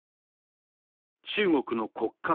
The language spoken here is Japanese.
中国の国家戦略